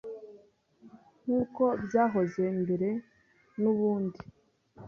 nk’uko byahoze mbere nubundi